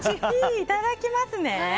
いただきますね。